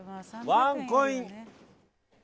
ワンコイン！